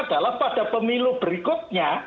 adalah pada pemilu berikutnya